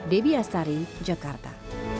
dewi astari jakarta